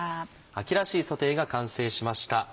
秋らしいソテーが完成しました。